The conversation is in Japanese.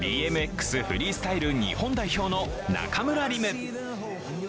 フリースタイル日本代表の中村輪夢。